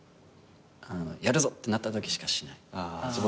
やるぞってなったときしかしない。